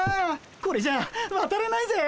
これじゃわたれないぜ！